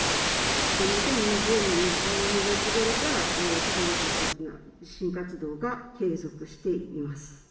２０２０年の１２月ごろから、非常に活発な地震活動が継続しています。